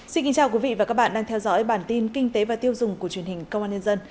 xin kính chào quý vị và các bạn đang theo dõi bản tin kinh tế và tiêu dùng của truyền hình công an nhân dân